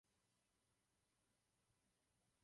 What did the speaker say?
Bývá také označované jako falešná.